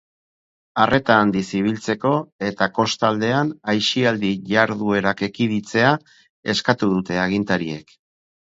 Arreta handiz ibiltzeko eta kostaldean aisialdi jarduerak ekiditzea eskatu dute agintariek.